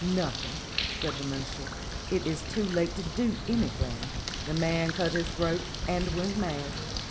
"Nothing," said the Minstrel. "It's too late to do anything. The man cut his throat and went mad."